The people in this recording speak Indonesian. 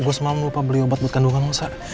gue semalam lupa beli obat buat kandungan lo sa